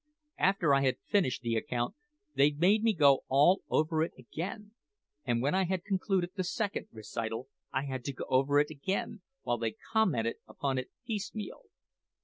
After I had finished the account, they made me go all over it again; and when I had concluded the second recital I had to go over it again, while they commented upon it piecemeal.